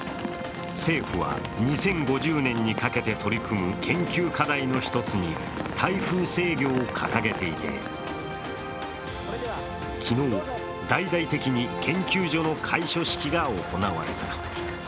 政府は２０５０年にかけて取り組む研究課題の一つに台風制御を掲げていて、昨日、大々的に研究所の開所式が行われた。